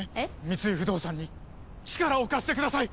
三井不動産に力を貸してください！